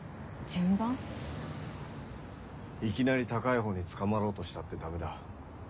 いきなり高いほうにつかまろうとしたってダメだ。